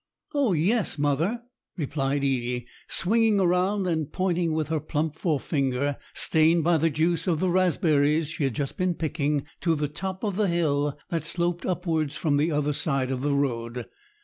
"Oh yes, mother," replied Edie, swinging around and pointing with her plump forefinger, stained by the juice of the raspberries she had just been picking, to the top of the hill that sloped upwards from the other side of the road.